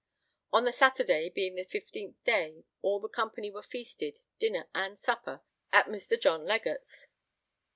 On the Saturday, being the 15th day, all the company were feasted, dinner and supper, at Mr. John Legatt's.